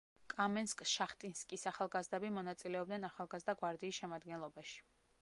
კამენსკ-შახტინსკის ახალგაზრდები მონაწილეობდნენ ახალგაზრდა გვარდიის შემადგენლობაში.